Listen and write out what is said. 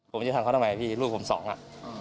ผมจะทำเขาทำไมพี่ลูกผมสองอ่ะ